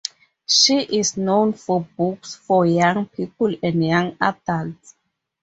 She is known for books for young people and young adults.